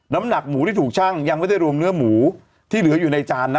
น้ำหนักหมูที่ถูกชั่งยังไม่ได้รวมเนื้อหมูที่เหลืออยู่ในจานนะ